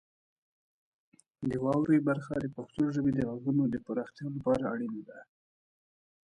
د واورئ برخه د پښتو ژبې د غږونو پراختیا لپاره اړینه ده.